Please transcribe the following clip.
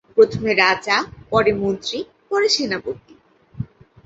প্রথমে রাজা, পরে মন্ত্রী, পরে সেনাপতি।